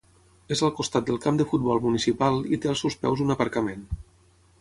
És al costat del camp de futbol municipal i té als seus peus un aparcament.